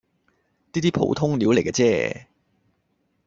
呢啲普通料黎既啫